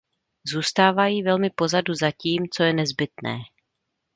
Zůstávají velmi pozadu za tím, co je nezbytné.